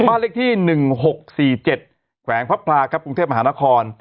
บ้านเลขที่๑๖๔๗แขวงพระพลาครับกรุงเทพมหานคร